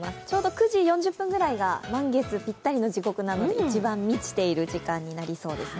９時４０分ぐらいが満月ぴったり時刻なので、一番満ちている時間になりそうですね。